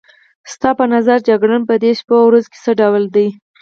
ستا په نظر جګړن په دې شپو او ورځو کې څه ډول دی؟